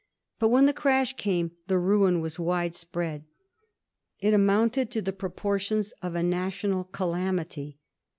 But when the crash came the ruin was wide spread ; it amounted to the proportions of a national calamity.